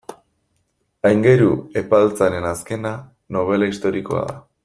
Aingeru Epaltzaren azkena, nobela historikoa da.